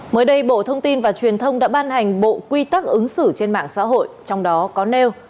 mới đây bộ thông tin và truyền thông đã ban hành bộ quy tắc ứng xử trên mạng xã hội trong đó có nêu